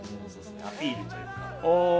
アピールというか。